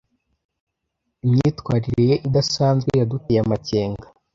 Imyitwarire ye idasanzwe yaduteye amakenga.